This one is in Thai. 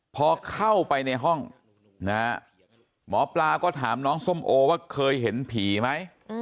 พอเข้าไปในห้องนะฮะหมอปลาก็ถามน้องส้มโอว่าเคยเห็นผีไหม